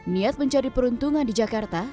niat mencari peruntungan di jakarta